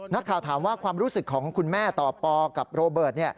นักข่าวถามว่าความรู้สึกของคุณแม่ต่อปอกับโรเบิร์ต